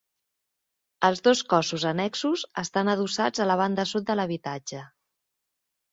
Els dos cossos annexos estan adossats a la banda sud de l'habitatge.